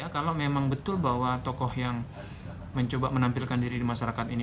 kalau memang betul bahwa tokoh yang mencoba menampilkan diri di masyarakat ini